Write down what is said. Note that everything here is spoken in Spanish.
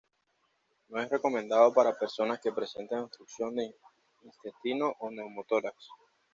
No es recomendado para personas que presenten obstrucción de intestino o neumotórax.